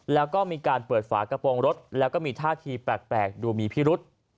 แล้วก็มีการเปิดฝากระโปรงรถแล้วก็มีท่าทีแปลกดูมีพิรุษ